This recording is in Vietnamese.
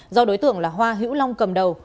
do đối tượng là hoa hữu long cầm đầu